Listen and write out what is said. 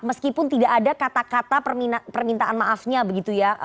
meskipun tidak ada kata kata permintaan maafnya begitu ya